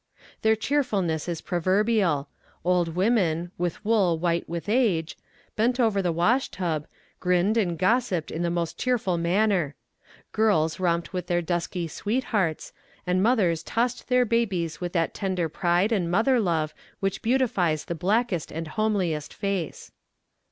Their cheerfulness is proverbial; old women, with wool white with age, bent over the wash tub, grinned and gossiped in the most cheerful manner girls romped with their dusky sweethearts, and mothers tossed their babies with that tender pride and mother love which beautifies the blackest and homeliest face.